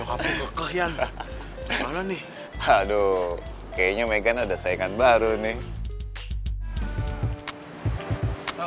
aduh kayaknya megan ada saingan baru nih